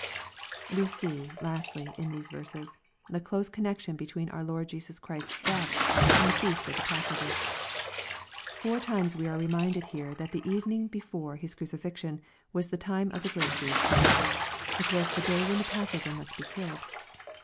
We see, lastly, in these verses, the close connection hetioeen our Lord Jesus Christ's death and the Feast of the Passover, Four times we are reminded here that the evening: before His crucifixion was the time of the great Jewish feast. It was " the day when the Passover must be killed."